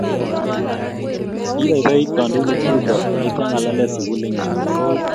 Kibaibait kandoindet Ruto olekiangalale sikuli nyo.